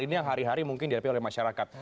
ini yang hari hari mungkin dihadapi oleh masyarakat